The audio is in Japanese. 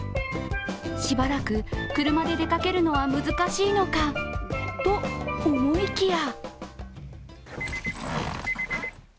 しばらく車で出かけるのは難しいのかと思いきや。